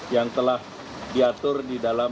yang telah diatur di dalam